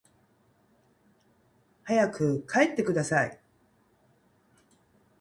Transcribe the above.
早く帰ってください